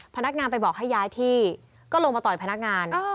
พนักงานไปบอกให้ย้ายที่ก็ลงมาต่อยพนักงาน